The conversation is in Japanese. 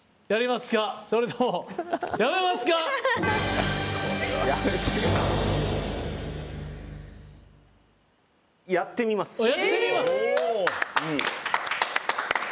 やってみます。